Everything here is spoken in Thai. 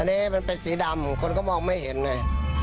อันนี้มันเป็นสีดำคนก็มองไม่เห็นไง